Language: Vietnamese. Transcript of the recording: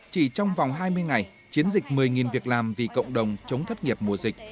chỉ trong vòng hai mươi ngày chiến dịch một mươi việc làm vì cộng đồng chống thất nghiệp mùa dịch